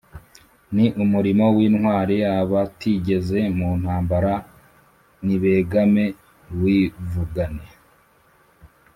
Ni umulimo w’intwali abatigeze mu ntambara nibegame uwivugane.